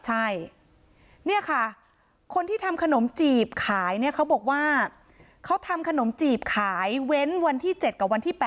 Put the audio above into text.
ใช่เนี่ยค่ะคนที่ทำขนมจีบขายเนี่ยเขาบอกว่าเขาทำขนมจีบขายเว้นวันที่๗กับวันที่๘